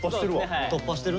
突破してるわ。